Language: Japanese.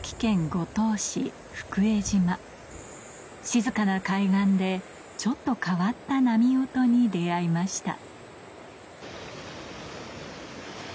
静かな海岸でちょっと変わった波音に出合いました